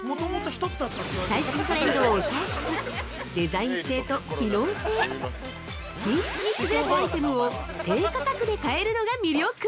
最新トレンドを押さえつつデザイン性と機能性品質に優れたアイテムを低価格で買えるのが魅力。